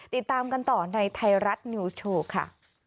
ติดตามกันต่อในไทยรัฐนิวส์โชว์ค่ะ